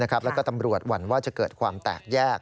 แล้วก็ตำรวจหวั่นว่าจะเกิดความแตกแยก